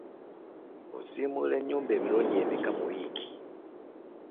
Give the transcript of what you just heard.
Osiimuka ennyumba emirundi emeka mu wiiki?